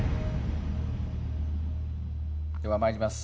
ではまいります。